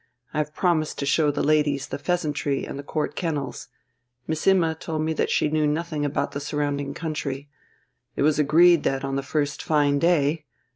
I have promised to show the ladies the 'Pheasantry' and the Court Kennels.... Miss Imma told me that she knew nothing about the surrounding country. It was agreed that on the first fine day